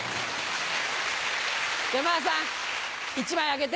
山田さん１枚あげて。